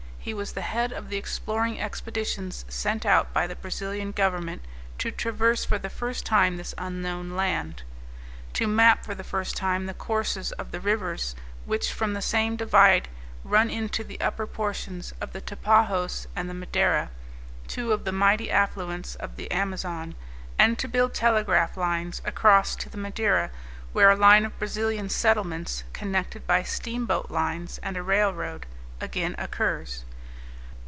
He was the head of the exploring expeditions sent out by the Brazilian Government to traverse for the first time this unknown land; to map for the first time the courses of the rivers which from the same divide run into the upper portions of the Tapajos and the Madeira, two of the mighty affluents of the Amazon, and to build telegraph lines across to the Madeira, where a line of Brazilian settlements, connected by steamboat lines and a railroad, again occurs.